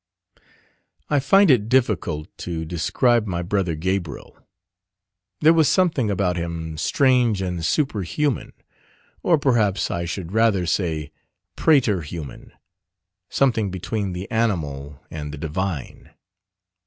I find it difficult to describe my brother Gabriel; there was something about him strange and superhuman, or perhaps I should rather say praeterhuman, something between the animal and the divine.